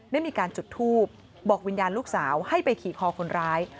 ได้มีการจุดทูบบอกวิญญาณลูกสาวให้ไปขี่คอคนร้าย